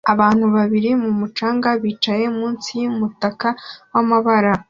Abantu babiri ku mucanga bicaye munsi yumutaka wamabara